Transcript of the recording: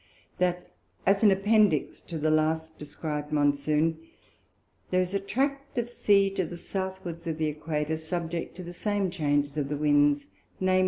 That as an Appendix to the last describ'd Monsoon, there is a Tract of Sea to the Southwards of the Æquator, subject to the same Changes of the Winds, _viz.